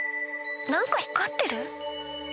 なんかひかってる？